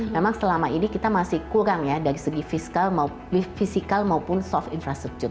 memang selama ini kita masih kurang ya dari segi fiskal fisikal maupun soft infrastruktur